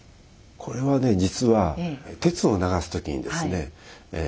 これは実は鉄を流す時にですね